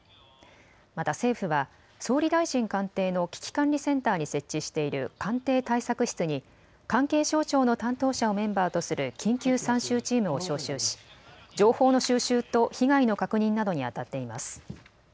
また政府は総理大臣官邸の危機管理センターに設置している官邸対策室に関係省庁の担当者をメンバーとする緊急参集チームを招集し情報の収集と被害の確認などにあたっています。